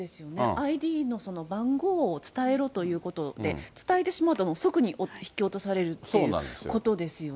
ＩＤの番号を伝えろということで、伝えてしまうと、もう即に引き落とされるっていうことですよね。